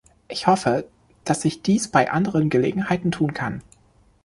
Ich hoffe, dass ich dies bei anderen Gelegenheiten tun kann.